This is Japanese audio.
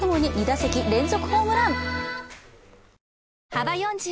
幅４０